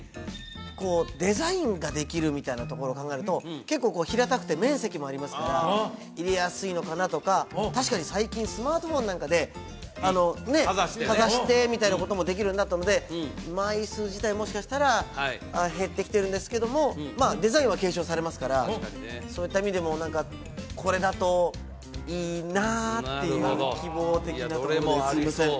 こうデザインができるみたいなところを考えると結構こう平たくて面積もありますから入れやすいのかなとか確かに最近スマートフォンなんかでかざしてみたいなこともできるようになったので枚数自体もしかしたら減ってきてるんですけどもまあデザインは継承されますからそういった意味でもこれだといいなっていう希望的なところですいません